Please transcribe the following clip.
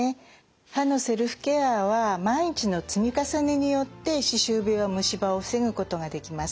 歯のセルフケアは毎日の積み重ねによって歯周病や虫歯を防ぐことができます。